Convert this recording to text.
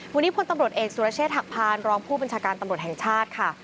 วันนี้พลตำรวจเอกสุรเชษฐหักพานรองผู้บัญชาการตำรวจแห่งชาติค่ะ